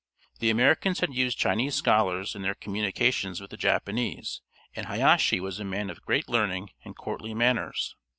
The Americans had used Chinese scholars in their communications with the Japanese, and Hayâshi was a man of great learning and courtly manners.